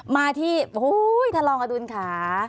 มาที่ทันรองค์อาตูนค่ะ